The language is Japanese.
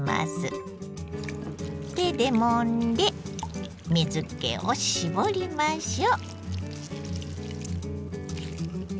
手でもんで水けを絞りましょう。